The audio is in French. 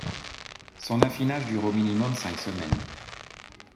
Son affinage dure au minimum cinq semaines.